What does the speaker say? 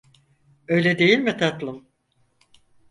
Öyle değil mi tatlım?